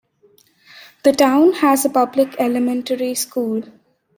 The town has a public elementary school.